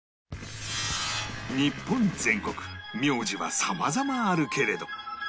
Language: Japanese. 日本全国名字は様々あるけれど